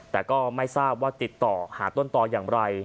แต่ก็ไม่ทราบว่าติดต่อหาต้นต่ออย่างไร